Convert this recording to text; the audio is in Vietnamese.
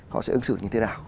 họ sẽ ứng xử như thế nào